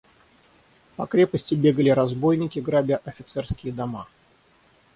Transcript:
По крепости бегали разбойники, грабя офицерские дома.